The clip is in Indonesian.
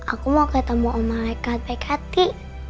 aku mau ketemu om mareka baik hati